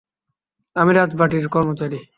আমি রাজবাটীর কর্মচারী।